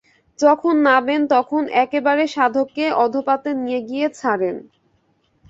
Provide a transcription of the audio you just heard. যখন নাবেন, তখন একেবারে সাধককে অধঃপাতে নিয়ে গিয়ে ছাড়েন।